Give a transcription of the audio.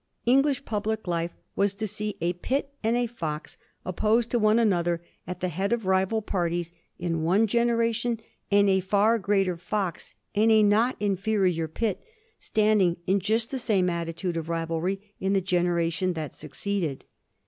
English public life was to see a Pitt and a Fox opposed to each otlier at the head of rival parties in one generation, and a far greater Fox and a not inferior Pitt standing in just the same attitude of rivalry in the generation that succeeded.